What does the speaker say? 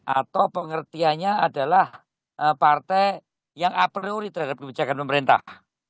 atau pengertiannya adalah partai yang a priori terhadap kebijakan pemerintah